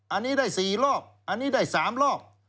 อันนี้ได้๔รอบอันนี้ได้๓รอบ